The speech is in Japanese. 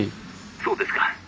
☎そうですか。